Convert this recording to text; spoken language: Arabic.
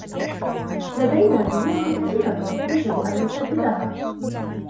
ليدنا ديون كثيرة يجب أن نسدّدها.